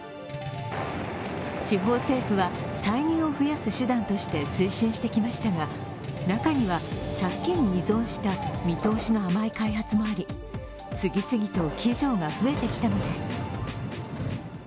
地方政府は参入を増やす手段として推進してきましたが中には借金に依存した見通しの甘い開発もあり、次々と鬼城が増えてきたのです。